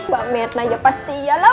pak mer ya pasti iya lah